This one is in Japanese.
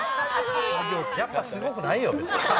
やっぱすごくないよ。